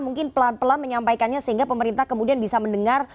mungkin pelan pelan menyampaikannya sehingga pemerintah kemudian bisa mendengar